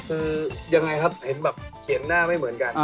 คือยังไงครับเห็นแบบเสียงหน้าไม่เหมือนกัน